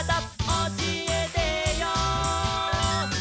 「おしえてよ」